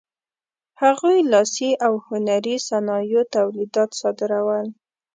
هغوی لاسي او هنري صنایعو تولیدات صادرول.